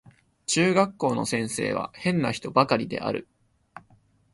中学校の先生は変な人ばかりである